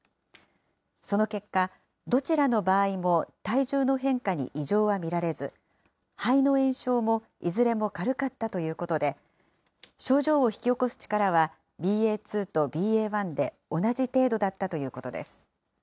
その結果、どちらの場合も体重の変化に異常は見られず、肺の炎症もいずれも軽かったということで、症状を引き起こす力は、ＢＡ．２とＢＡ．１で同じ程度だったということです。